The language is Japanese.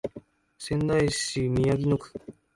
仙台市宮城野区